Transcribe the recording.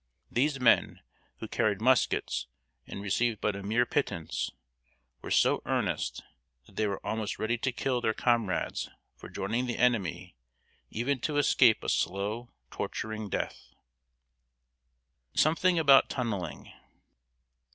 These men, who carried muskets and received but a mere pittance, were so earnest that they were almost ready to kill their comrades for joining the enemy even to escape a slow, torturing death. [Sidenote: SOMETHING ABOUT TUNNELING.